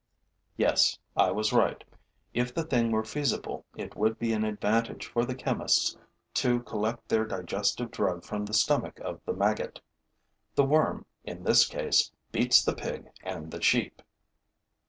Yes, I was right: if the thing were feasible, it would be an advantage for the chemists to collect their digestive drug from the stomach of the maggot. The worm, in this case, beats the pig and the sheep.